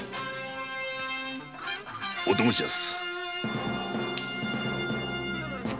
お供しやす。